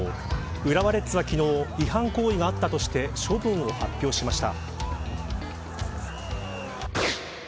浦和レッズは昨日、違反行為があったとして処分を発表しました。